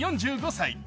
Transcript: ４５歳。